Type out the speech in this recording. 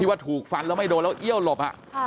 ว่าถูกฟันแล้วไม่โดนแล้วเอี้ยวหลบ